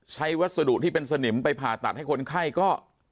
วัสดุที่เป็นสนิมไปผ่าตัดให้คนไข้ก็